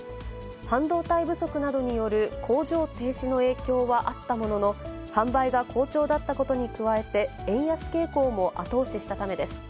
半導体不足などによる工場停止の影響はあったものの、販売が好調だったことに加えて、円安傾向も後押ししたためです。